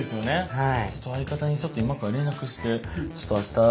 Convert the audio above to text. はい。